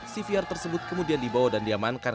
cvr tersebut kemudian dibawa dan diamankan